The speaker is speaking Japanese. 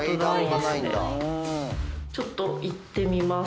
ちょっと行ってみます。